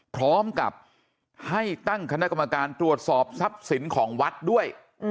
พร้อมกับให้ตั้งคณะกรรมการตรวจสอบทรัพย์สินของวัดด้วย